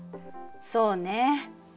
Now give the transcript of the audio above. そうね。